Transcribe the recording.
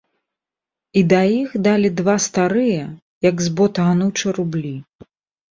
І да іх далі два старыя, як з бота ануча, рублі.